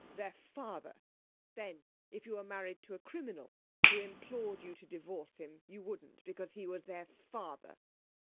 'Their father! Then, if you were married to a criminal who implored you to divorce him you wouldn't, because he was their father!'